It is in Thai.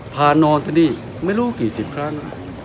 พานอนที่นี่ไม่รู้กี่สิบครั้ง